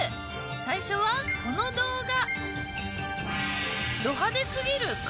最初はこの動画。